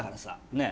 ねえ。